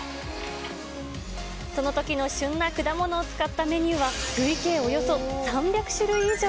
そのときの旬な果物を使ったメニューは、累計およそ３００種類以上。